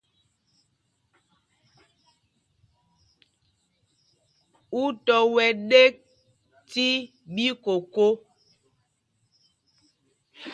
Ú tɔ wɛ́ ɗēk tí ɓīkōkō?